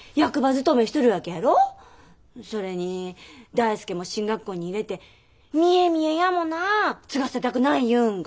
それに大介も進学校に入れて見え見えやもな継がせたくないいうんが。